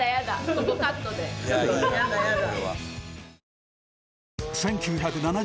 ここカットでやだやだ。